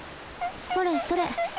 それそれ。